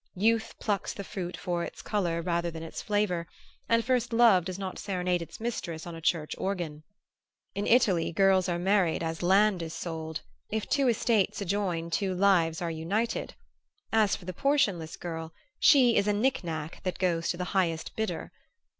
Youth plucks the fruit for its color rather than its flavor; and first love does not serenade its mistress on a church organ. In Italy girls are married as land is sold; if two estates adjoin two lives are united. As for the portionless girl, she is a knick knack that goes to the highest bidder.